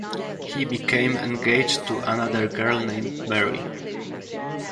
He became engaged to another girl named Mary.